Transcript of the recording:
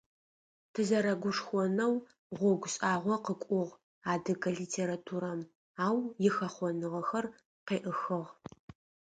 Тызэрэгушхонэу гъогу шӏагъо къыкӏугъ адыгэ литературэм, ау ихэхъоныгъэхэр къеӏыхыгъ.